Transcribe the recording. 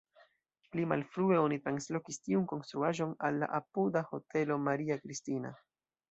Pli malfrue oni translokis tiun konstruaĵon al la apuda Hotelo Maria Kristina.